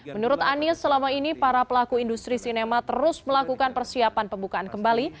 menurut anies selama ini para pelaku industri sinema terus melakukan persiapan pembukaan kembali